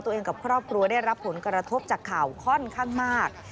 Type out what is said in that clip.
กับครอบครัวได้รับผลกระทบจากข่าวค่อนข้างมาก